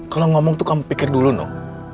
kalau ngomong tuh kamu pikir dulu dong